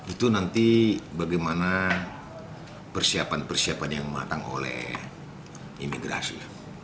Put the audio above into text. itu nanti bagaimana persiapan persiapan yang matang oleh imigrasi